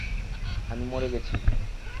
আমি মরে গেছি।